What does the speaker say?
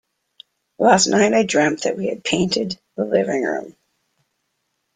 Last night I dreamt that we had painted the living room.